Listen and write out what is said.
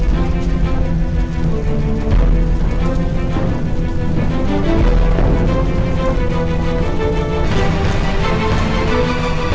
สุดท้ายคุณก็จะตายในห้องน้ำและน้ำมันก็จะร้อนครับ